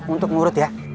untuk ngurut ya